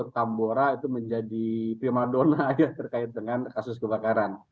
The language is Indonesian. tambora itu menjadi prima dona ya terkait dengan kasus kebakaran